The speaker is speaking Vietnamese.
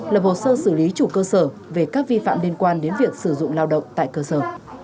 lập hồ sơ xử lý chủ cơ sở về các vi phạm liên quan đến việc sử dụng lao động tại cơ sở